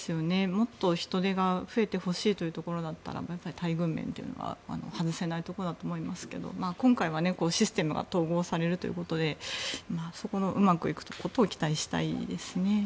もっと人手が増えてほしいというところだったら待遇面というのが外せないところだと思いますけれど今回はシステムが統合されるということでそこがうまくいくことを期待したいですね。